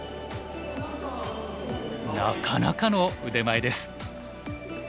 なかなかの腕前です。